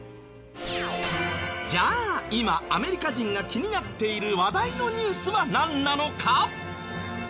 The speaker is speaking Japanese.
じゃあ今アメリカ人が気になっている話題のニュースはなんなのか？